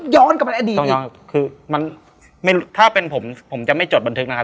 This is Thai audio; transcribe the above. ย้อนกลับไปอดีตคือมันไม่ถ้าเป็นผมผมจะไม่จดบันทึกนะครับ